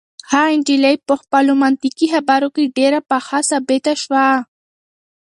هغه نجلۍ په خپلو منطقي خبرو کې ډېره پخه ثابته شوه.